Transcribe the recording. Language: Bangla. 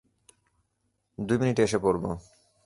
দুই মিনিটে এসে পড়ব।